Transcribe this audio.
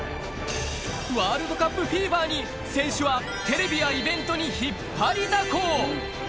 ワールドカップフィーバーに、選手はテレビやイベントに引っ張りだこ。